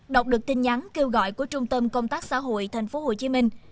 đọc được tin nhắn kêu gọi của trung tâm công tác xã hội thành phố hồ chí minh